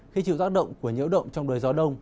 khi chịu tác động của nhiễu động trong đời gió đông